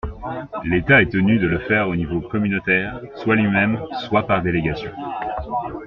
L’État est tenu de le faire au niveau communautaire, soit lui-même soit par délégation.